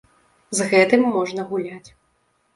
З гэтым можна гуляць.